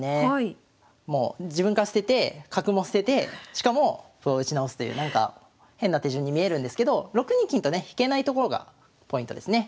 自分から捨てて角も捨ててしかも歩を打ち直すという変な手順に見えるんですけど６二金とね引けないところがポイントですね。